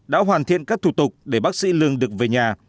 đã hoàn thiện các thủ tục để bác sĩ lương được về nhà